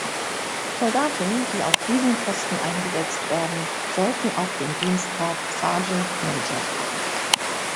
Soldaten, die auf diesen Posten eingesetzt werden, sollten auch den Dienstgrad "Sergeant Major" haben.